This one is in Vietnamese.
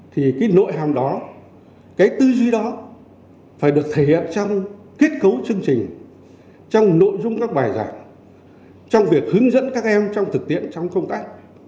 thì cái nội hàm đó cái tư duy đó phải được thể hiện trong kết cấu chương trình trong nội dung các bài giảng trong việc hướng dẫn các em trong thực tiễn trong công tác